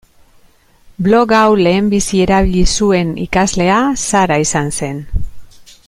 Blog hau lehenbizi erabili zuen ikaslea Sara izan zen.